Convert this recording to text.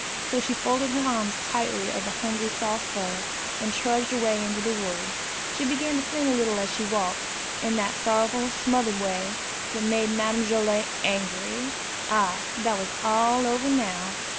So she folded her arms tightly over Hungry's soft fur, and trudged away into the woods. She began to sing a little as she walked, in that sorrowful, smothered way, that made Madame Joilet angry. Ah, that was all over now!